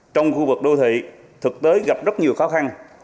trong khu vực đô thị thực tế gặp rất nhiều khó khăn